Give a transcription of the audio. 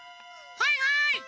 はいはい！